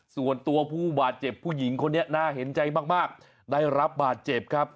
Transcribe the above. ส่วนตัวผู้บาดเจ็บผู้หญิงคนนี้น่าเห็นใจมากได้รับบาดเจ็บครับ